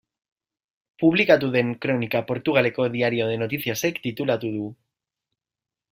Publikatu den kronika Portugaleko Diario de Noticias-ek titulatu du.